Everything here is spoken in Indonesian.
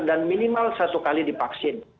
dan minimal satu kali dipaksin